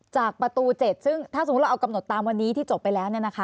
จากประตู๗ซึ่งถ้าสมมุติเราเอากำหนดตามวันนี้ที่จบไปแล้ว